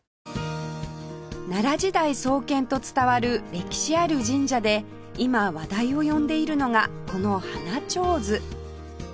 奈良時代創建と伝わる歴史ある神社で今話題を呼んでいるのがこの花手水